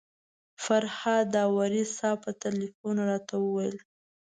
فرهاد داوري صاحب په تیلفون راته وویل.